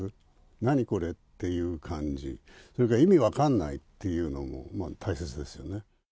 何これっていう感じ、それから意味分かんないっていうのも大切ですよね。